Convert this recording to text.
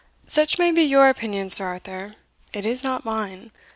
Such may be your opinion, Sir Arthur it is not mine.